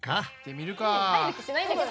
入る気しないんだけど。